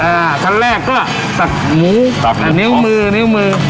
อ่าทั้งแรกก็สักหมูสักนิ้วมือนิ้วมือ